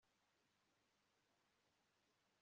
antiyokusi ategeka ko bamujyana i bereya, bakahamwicira